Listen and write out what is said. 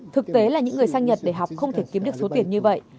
thực tế là những người sang nhật để học không thể kiếm được số tiền như vậy